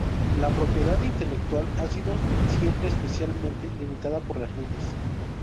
la propiedad intelectual ha sido siempre especialmente limitada por las leyes